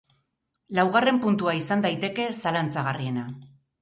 Laugarren puntua izan daiteke zalantzagarriena.